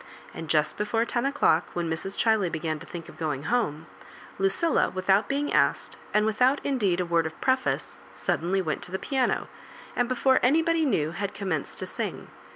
And just before ten o'clock, when Mrs. Chiley began to think of going home, Lucilla, without being asked, and without indeed a word of pre&ce, suddenly went to the piano, and before anybody knew, had commenced to sing.